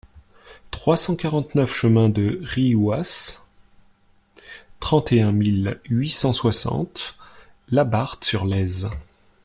trois cent quarante-neuf chemin de Riouas, trente et un mille huit cent soixante Labarthe-sur-Lèze